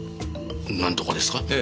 なんとかですか？